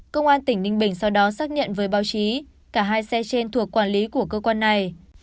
công an tỉnh ninh bình sau đó xác nhận với báo chí cả hai xe trên thuộc quản lý của cơ quan này